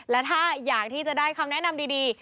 และถ้าอยากที่จะได้คำแนะนำดี